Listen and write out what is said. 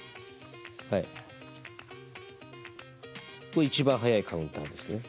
これ一番速いカウンターですね。